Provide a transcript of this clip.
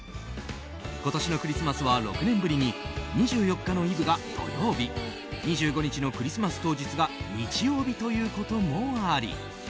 今年のクリスマスは６年ぶりに２４日のイブが土曜日２５日のクリスマス当日が日曜日ということもあり